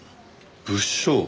物証？